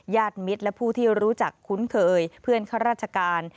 มิตรและผู้ที่รู้จักคุ้นเคยเพื่อนข้าราชการ